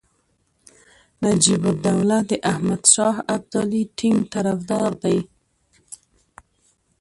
نجیب الدوله د احمدشاه ابدالي ټینګ طرفدار دی.